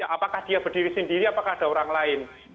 apakah dia berdiri sendiri apakah ada orang lain